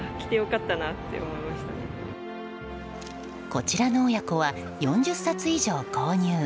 こちらの親子は４０冊以上購入。